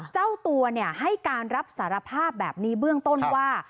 เจ้าตัวให้การรับสารภาพแบบนี้เบื้องต้นว่า